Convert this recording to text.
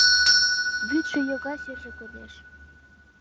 Вӱдшӧ йога, серже кодеш.